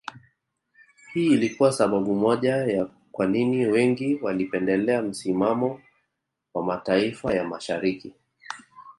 Hii ilikuwa sababu moja ya kwa nini wengi walipendelea misimamo wa mataifa ya Mashariki